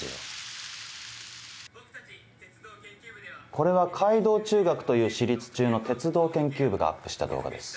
これは海堂中学という私立中の鉄道研究部がアップした動画です。